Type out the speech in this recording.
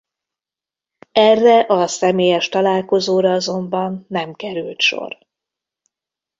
Erre a személyes találkozóra azonban nem került sor.